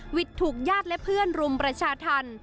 หยุดถูกญาติและเพื่อนรุมประชาทัน